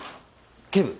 警部！